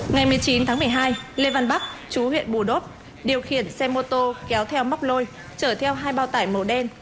ngày một mươi chín tháng một mươi hai lê văn bắc chú huyện bù đốt điều khiển xe mô tô kéo theo móc lôi chở theo hai bao tải màu đen